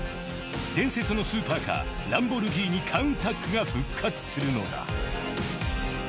伝説のスーパーカーランボルギーニカウンタックが復活するのだ